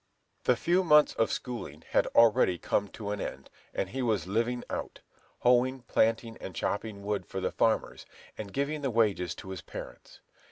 The few months of schooling had already come to an end, and he was "living out," hoeing, planting, and chopping wood for the farmers, and giving the wages to his parents.